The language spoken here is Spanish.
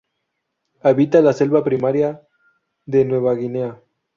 Habita la selva primaria de Nueva Guinea.